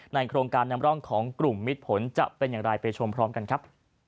โครงการนำร่องของกลุ่มมิดผลจะเป็นอย่างไรไปชมพร้อมกันครับ